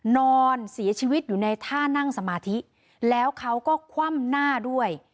นอนเสียชีวิตอยู่ในท่านั่งสมาธิแล้วเขาก็คว่ำหน้าด้วย